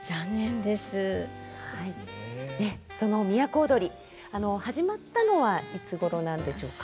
その「都をどり」始まったのはいつごろなんでしょうか？